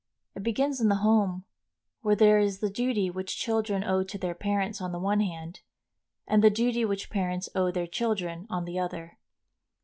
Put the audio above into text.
It begins in the home, where there is the duty which children owe to their parents on the one hand, and the duty which parents owe their children on the other.